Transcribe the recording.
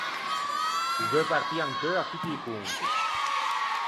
O veu partî ancheu à tutti i conti.